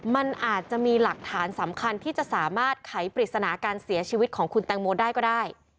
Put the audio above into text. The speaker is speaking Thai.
มันอาจจะมีหลักฐานสำคัญที่จะสามารถไขปริศนาการเสียชีวิตของคุณแตงโมได้ก็ได้